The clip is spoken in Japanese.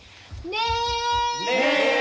ねえ！